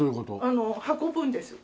あの運ぶんです。